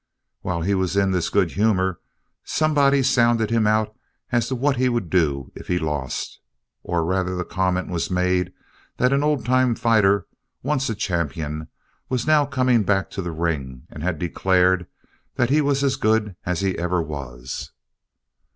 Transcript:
While he was in this good humor somebody sounded him out as to what he would do if he lost; or rather the comment was made that an old time fighter, once a champion, was now coming back to the ring and had declared that he was as good as he ever was.